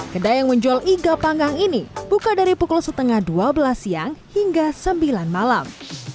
kedai yang menjual iga panggang ini buka dari pukul setengah dua belas siang hingga sembilan malam